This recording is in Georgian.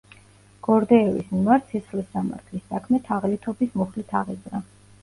გორდეევის მიმართ სისხლის სამართლის საქმე თაღლითობის მუხლით აღიძრა.